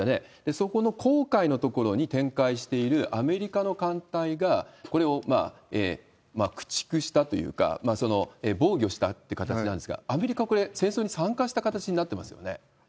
そこの紅海の所に展開しているアメリカの艦隊が、これを駆逐したというか、防御したって形なんですが、アメリカはこれ、戦争に参加した形になってますよね？